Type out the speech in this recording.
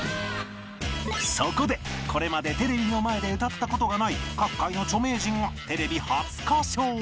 そこでこれまでテレビの前で歌った事がない各界の著名人がテレビ初歌唱